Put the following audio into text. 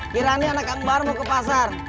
kirani anak kang bar mau ke pasar